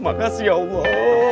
makasih ya allah